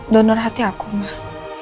donor hati aku mah